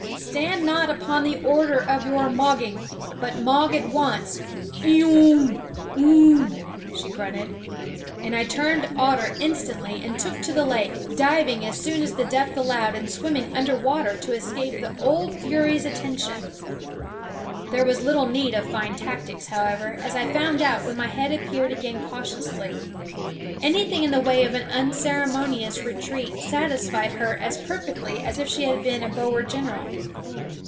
" Stand not upon the order of your mogging, but mog at once eeeunh ! unh !" she grunted ; and I turned otter instantly and took to the lake, diving as soon as the depth allowed and swimming under water to escape the old fury's atten tion. There was little need of fine tactics, however, as I found out when my head appeared again cautiously. Anything in the way of an unceremonious retreat satisfied her as perfectly as if she had been a Boer general.